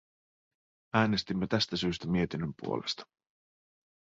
Äänestimme tästä syystä mietinnön puolesta.